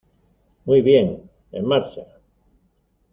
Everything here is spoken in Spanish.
Muy bien, en marcha.